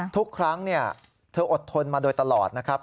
ทุกครั้งเธออดทนมาโดยตลอดนะครับ